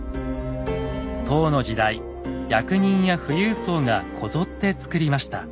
唐の時代役人や富裕層がこぞってつくりました。